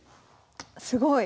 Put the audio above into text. すごい。